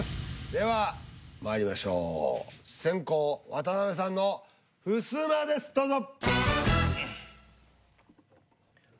ではまいりましょう先攻渡辺さんのふすまですどうぞ。